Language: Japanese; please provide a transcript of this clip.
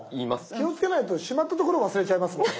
気をつけないとしまった所を忘れちゃいますもんね。